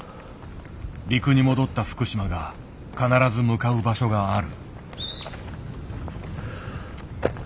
陸に戻った福島が必ず向かう場所がある。